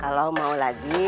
kalau mau lagi